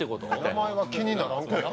名前は気にならんかな。